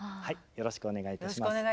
よろしくお願いします。